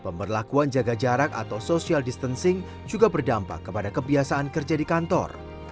pemberlakuan jaga jarak atau social distancing juga berdampak kepada kebiasaan kerja di kantor